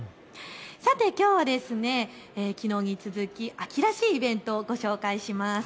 さて、きょうはきのうに続き秋らしいイベントをご紹介します。